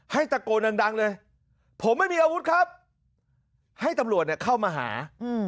ตะโกนดังเลยผมไม่มีอาวุธครับให้ตำรวจเข้ามาหา